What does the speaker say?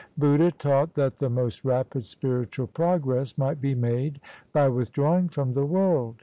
Buddha taught that the most rapid spiritual progress might be made by withdrawing from the world.